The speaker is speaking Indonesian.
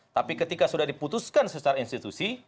tapi ketika sudah diputuskan secara institusi